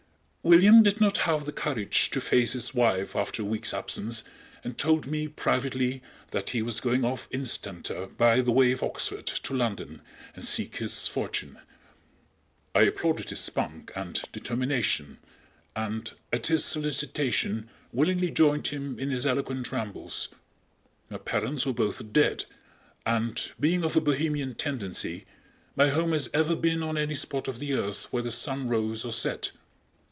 William did not have the courage to face his wife after a week's absence, and told me privately that he was going off instanter by the way of Oxford to London and seek his fortune. I applauded his spunk and determination, and, at his solicitation willingly joined him in his eloquent rambles. My parents were both dead, and being of a bohemian tendency, my home has ever been on any spot of the earth where the sun rose or set.